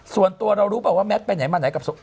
ส่วนตัวเรารู้เปล่าว่าแมทไปไหนมาไหนกับ